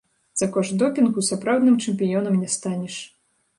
За кошт допінгу сапраўдным чэмпіёнам не станеш.